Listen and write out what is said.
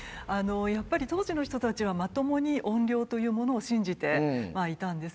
やっぱり当時の人たちはまともに怨霊というものを信じていたんですね。